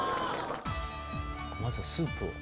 まずはスープを。